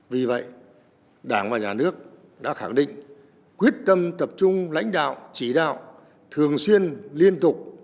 vì vậy đảng và nhà nước đã khẳng định quyết tâm tập trung lãnh đạo chỉ đạo thường xuyên liên tục